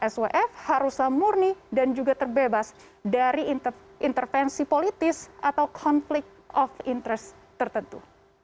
swf haruslah murni dan juga terbebas dari intervensi politis atau konflik of interest tertentu